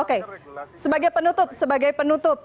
oke sebagai penutup sebagai penutup